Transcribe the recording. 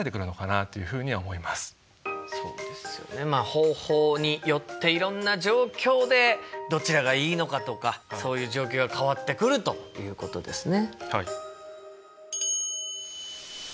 方法によっていろんな状況でどちらがいいのかとかそういう状況が変わってくるということですね。